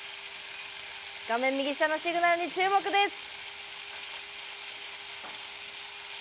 画面右下のシグナルに注目です。